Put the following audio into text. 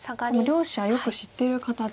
両者よく知ってる形。